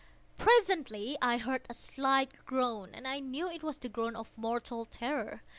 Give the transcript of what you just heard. Presently I heard a slight groan, and I knew it was the groan of mortal terror.